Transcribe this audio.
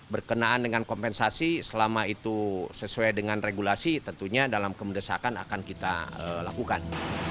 berkenaan dengan kompensasi selama itu sesuai dengan regulasi tentunya dalam kemendesakan akan kita lakukan